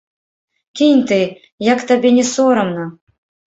Кінь ты, як табе не сорамна!